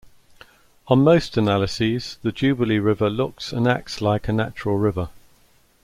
On most analyses the Jubilee River looks and acts like a natural river.